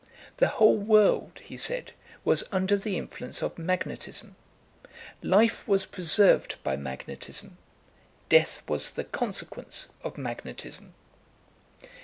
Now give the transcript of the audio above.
The whole world, he said, was under the influence of magnetism; life was preserved by magnetism; death was the consequence of magnetism!